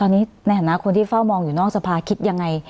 ในฐานะคนที่เฝ้ามองอยู่นอกสภาคิดอย่างไร